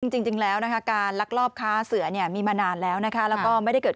จริงแล้วการลักลอบค้าเสือมีมานานแล้วแล้วก็ไม่ได้เกิด